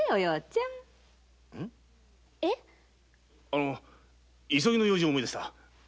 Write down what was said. あの急ぎの用事を思い出した。